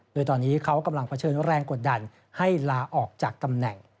โดยตอนนี้เขากำลังเผชิญแรงกดดันให้ลาออกจากตำแหน่ง